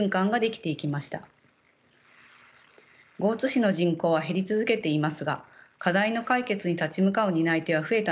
江津市の人口は減り続けていますが課題の解決に立ち向かう担い手は増えたのです。